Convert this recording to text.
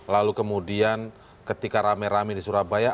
lalu kemudian ketika rame rame di surabaya